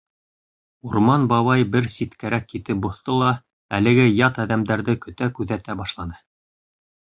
Урман бабай бер ситкәрәк китеп боҫто ла әлеге ят әҙәмдәрҙе көтә-куҙәтә башланы.